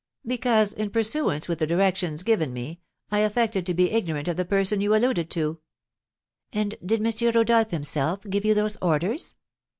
"Because, in pursuance with the directions given me, I affected to be ignorant of the person you alluded to." "And did M. Rodolph, himself, give you those orders?"